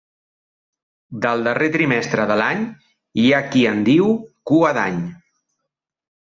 Del darrer trimestre de l'any hi ha qui en diu Cua d'Any.